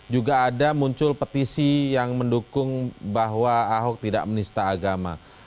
juga ada muncul petisi yang mendukung bahwa ahok tidak menista agama